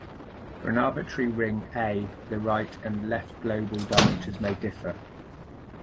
For an arbitrary ring "A" the right and left global dimensions may differ.